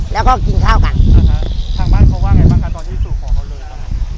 แล้วก็กินข้าวกันทางบ้านเขาว่าไงบ้างคะตอนที่สู่ขอเขาเลย